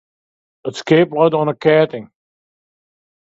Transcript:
It skip leit oan 't keatling.